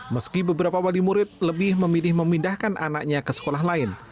meski beberapa wali murid lebih memilih memindahkan anaknya ke sekolah lain